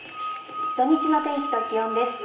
土日の天気と気温です。